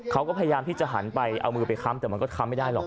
เขาก็พยายามที่จะหันไปเอามือไปค้ำแต่มันก็ค้ำไม่ได้หรอก